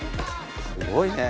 すごいね。